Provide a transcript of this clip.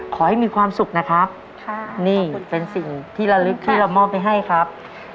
ขอให้มีความสุขนะครับค่ะนี่เป็นสิ่งที่ละลึกที่เรามอบให้ครับ